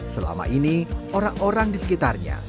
selama ini orang orang di sekitarnya